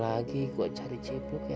kemana lagi gua cari cipuk ya